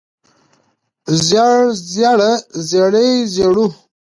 زېړ زېړه زېړې زېړو